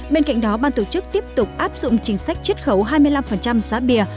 bên cạnh đó ban tổ chức tiếp tục áp dụng chính sách chết khẩu hai mươi năm giá bia